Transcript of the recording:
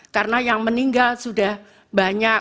karena yang meninggal sudah banyak